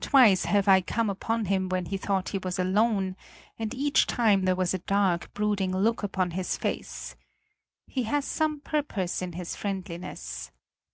Twice have I come upon him when he thought he was alone and each time there was a dark brooding look upon his face. He has some purpose in his friendliness.